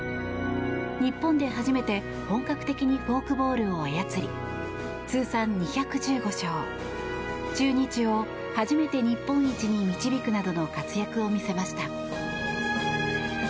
日本で初めて本格的にフォークボールを操り通算２１５勝中日を初めて日本一に導くなどの活躍を見せました。